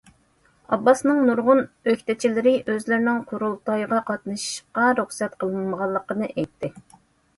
ئابباسنىڭ نۇرغۇن ئۆكتىچىلىرى ئۆزلىرىنىڭ قۇرۇلتايغا قاتنىشىشقا رۇخسەت قىلىنمىغانلىقىنى ئېيتتى.